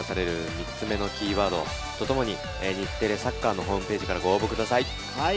３つ目のキーワードとともに、日テレサッカーのホームページからご応募ください。